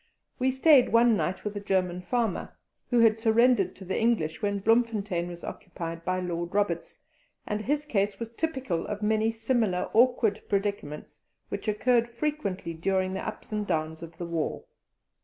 We stayed one night with a German farmer, who had surrendered to the English when Bloemfontein was occupied by Lord Roberts, and his case was typical of many similar awkward predicaments which occurred frequently during the ups and downs of the war.